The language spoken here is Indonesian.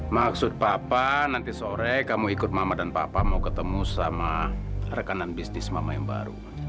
maksud papa nanti sore kamu ikut mama dan papa mau ketemu sama rekanan bisnis mama yang baru